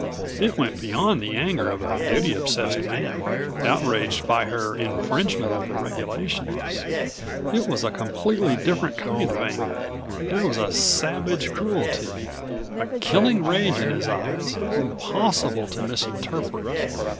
It went beyond the anger of a duty obsessed man, outraged by her infringement of the regulations. It was a completely different kind of anger. There was a savage cruelty, a killing rage in his eyes, impossible to misinterpret.